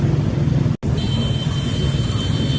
และกลายเป้าหมาย